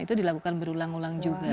itu dilakukan berulang ulang juga